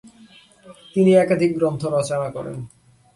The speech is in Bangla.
তিনি একাধিক গ্রন্থ রচনা করেন।